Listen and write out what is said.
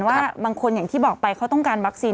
ว่าบางคนอย่างที่บอกไปเขาต้องการวัคซีน